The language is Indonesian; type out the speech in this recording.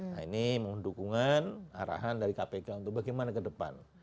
nah ini mohon dukungan arahan dari kpk untuk bagaimana ke depan